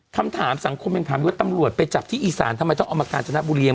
คำถามสังคมยังถามอยู่ว่าตำรวจไปจับที่อีสานทำไมต้องเอามากาญจนบุรี